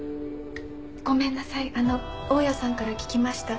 ごめんなさいあの大家さんから聞きました。